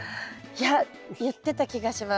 いや言ってた気がします。